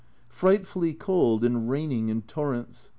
Frightfully cold and raining in torrents.